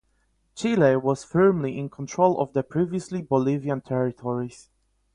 Chile was firmly in control of the previously Bolivian territories.